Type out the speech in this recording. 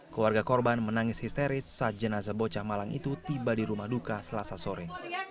keluarga korban menangis histeris saat jenazah bocah malang itu tiba di rumah duka selasa sore